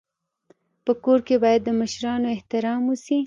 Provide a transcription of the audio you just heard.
په کور کي باید د مشرانو احترام وسي.